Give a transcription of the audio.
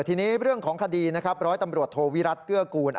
ทีนี้เรื่องของคดีนะครับร้อยตำรวจโทวิรัติเกื้อกูล